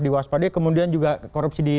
diwaspadai kemudian juga korupsi di